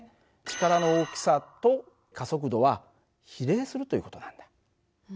力の大きさと加速度は比例するという事なんだ。